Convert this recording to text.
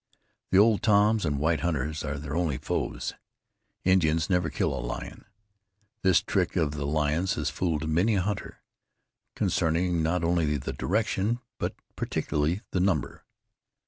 The old Toms and white hunters are their only foes. Indians never kill a lion. This trick of the lions has fooled many a hunter, concerning not only the direction, but particularly the number.